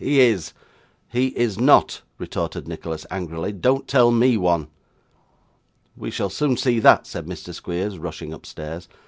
'He is.' 'He is not,' retorted Nicholas angrily, 'don't tell me one.' 'We shall soon see that,' said Mr. Squeers, rushing upstairs.